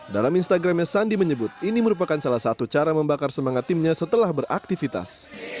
dalam instagramnya sandi menyebut ini merupakan salah satu cara membakar semangat timnya setelah beraktivitas